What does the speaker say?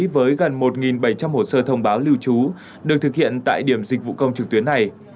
với gần một bảy trăm linh hồ sơ thông báo lưu trú được thực hiện tại điểm dịch vụ công trực tuyến này